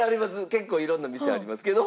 結構色んな店ありますけど。